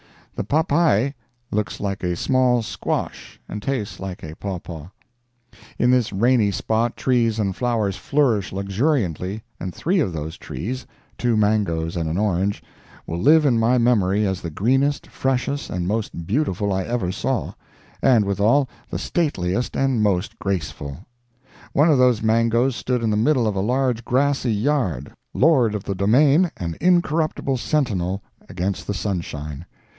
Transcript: The papaia looks like a small squash, and tastes like a pawpaw. In this rainy spot trees and flowers flourish luxuriantly, and three of those trees—two mangoes and an orange—will live in my memory as the greenest, freshest and most beautiful I ever saw—and withal, the stateliest and most graceful. One of those mangoes stood in the middle of a large grassy yard, lord of the domain and incorruptible sentinel against the sunshine.